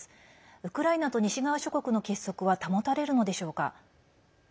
ウクライナと西側諸国の結束は保たれるのでしょうか？